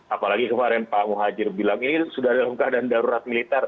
apalagi kemarin pak muhajir bilang ini sudah ada luka dan darurat militer